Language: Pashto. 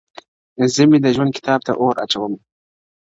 زه مي د ژوند كـتـاب تــه اور اچــــــوم_